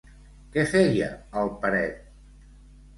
Què feia el Peret?